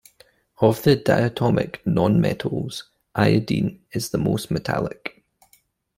Of the diatomic nonmetals, iodine is the most metallic.